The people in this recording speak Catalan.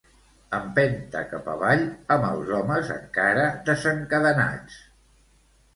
Empentat cap avall, amb els homes encara desencadenats.